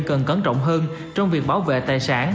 cần cẩn trọng hơn trong việc bảo vệ tài sản